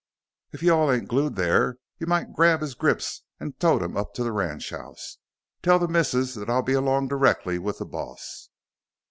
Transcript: If you all ain't glued there you might grab his grips an' tote them up to the ranchhouse. Tell the missus that I'll be along directly with the boss."